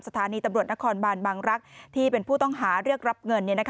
สถานีตำรวจนครบานบางรักษ์ที่เป็นผู้ต้องหาเรียกรับเงิน